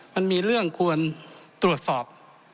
มันมีเรื่องควรตรวจสอบ